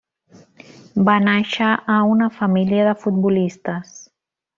Va nàixer a una família de futbolistes.